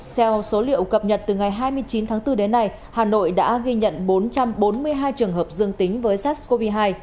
theo số liệu cập nhật từ ngày hai mươi chín tháng bốn đến nay hà nội đã ghi nhận bốn trăm bốn mươi hai trường hợp dương tính với sars cov hai